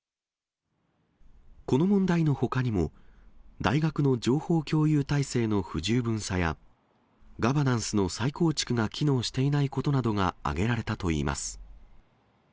この問題のほかにも、大学の情報共有体制の不十分さや、ガバナンスの再構築が機能していないことなどが挙げられたといいます。